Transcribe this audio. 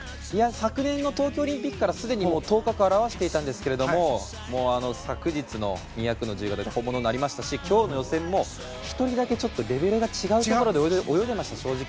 昨年の東京オリンピックからすでに頭角を現していたんですが昨日の２００の自由形で本物になりましたし今日の予選も１人だけレベルが違う感じで泳いでいました、正直。